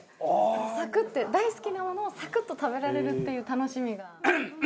サクッて大好きなものをサクッと食べられるっていう楽しみが。